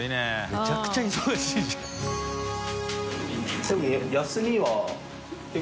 めちゃくちゃ忙しいじゃん専務）